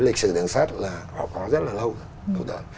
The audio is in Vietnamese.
lịch sử đường sắt là họ có rất là lâu đủ